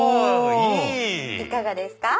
いかがですか？